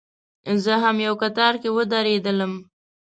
زه هم یو کتار کې ودرېدلم.